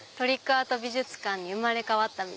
アート美術館に生まれ変わった。